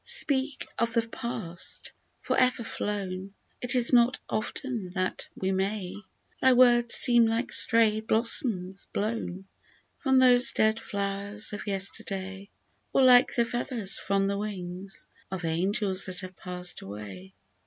SPEAK of the Past, for ever flown, It is not often that we may ; Thy words seem like stray blossoms blown From those dead flow'rs of yesterday, Or like the feathers from the wings Of angels that have pass'd away